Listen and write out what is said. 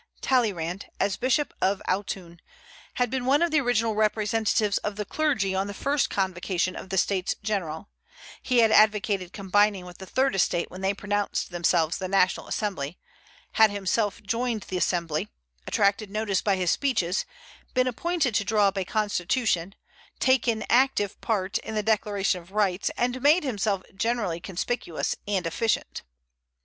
Talleyrand, as Bishop of Autun, had been one of the original representatives of the clergy on the first convocation of the States General; he had advocated combining with the Third Estate when they pronounced themselves the National Assembly, had himself joined the Assembly, attracted notice by his speeches, been appointed to draw up a constitution, taken active part in the declaration of Rights, and made himself generally conspicuous and efficient.